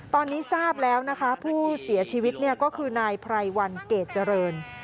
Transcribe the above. ตอนนี้ทราบแล้วนะคะผู้เสียชีวิตก็คือนายไพรวันเกรดเจริญ